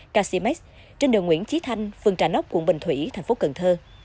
casimax trên đường nguyễn trí thanh phường trà nóc quận bình thủy thành phố cần thơ